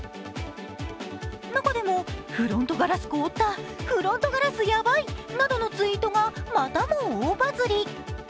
中でもフロントガラス凍った、フロントガラスヤバイなどのツイートがまたも大バズり。